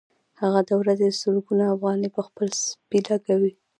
هغه د ورځې سلګونه افغانۍ په خپل سپي لګوي